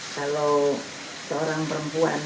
kalau seorang perempuan